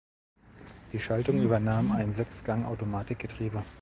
Die Schaltung übernahm ein Sechs-Gang-Automatikgetriebe.